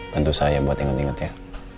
bantu saya buat inget ingetnya